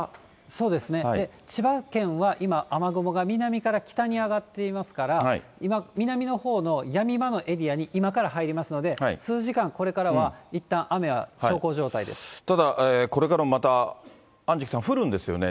そうですね、千葉県は今、雨雲が南から北に上がっていますから、今、南のほうのやみ間のエリアに今から入りますので、数時間これからはいったん雨は小康状ただ、これからもまた安食さん、降るんですよね？